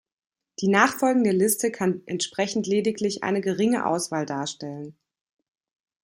Die nachfolgende Liste kann entsprechend lediglich eine geringe Auswahl darstellen.